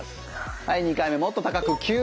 はい２回目もっと高くきゅ。